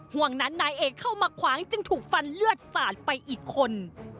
ห่วงนั้นนายเอกเข้ามาขวางจึงถูกฟันเลือดสาดไปอีกคน